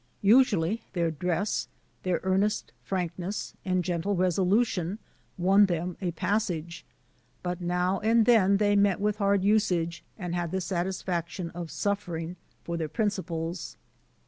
Usually their dress, their earnest frankness, and gentle resolution won them a passage; but now and then they met with hard usage, and had the satisfac tion of suffering for their principles.